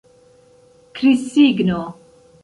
Krisigno.